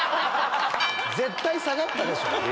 絶対下がったでしょ。